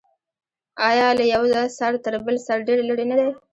آیا له یوه سر تر بل سر ډیر لرې نه دی؟